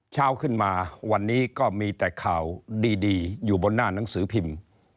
เช้าขึ้นมาวันนี้ก็มีแต่ข่าวดีอยู่บนหน้าหนังสือพิมพ์